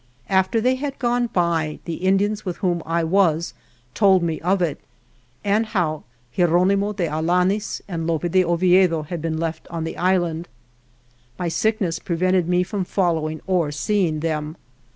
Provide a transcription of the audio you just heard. After they had gone by, the Indians with whom I was told me of it, and how Hieronimo de Alaniz and Lope de Oviedo had been left on the island. My sickness prevented me from following or seeing them.